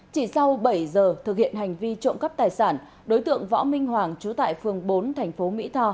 chỉ sau bảy giờ thực hiện hành vi trộm cắp tài sản đối tượng võ minh hoàng trú tại phường bốn thành phố mỹ tho